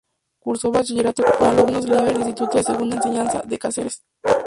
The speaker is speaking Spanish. Cursó bachillerato como alumno libre en el instituto de Segunda Enseñanza de Cáceres.